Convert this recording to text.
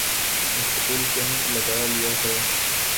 مستقل کیمپ لگا لیا تھا